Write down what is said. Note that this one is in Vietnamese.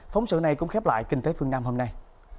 phóng sự này cũng khép lại kinh tế phương nam hôm nay